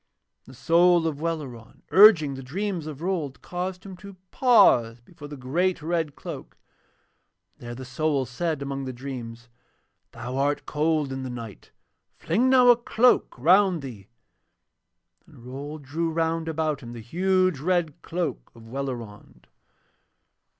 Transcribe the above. And the soul of Welleran urging the dreams of Rold caused him to pause before the great red cloak, and there the soul said among the dreams: 'Thou art cold in the night; fling now a cloak around thee.' And Rold drew round about him the huge red cloak of Welleran.